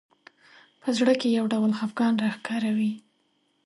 په زړه کې یو ډول خفګان راښکاره وي